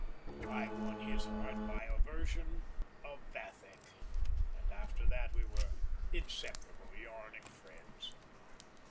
I won his heart by a version of Vathek, and after that we were inseparable yarning friends.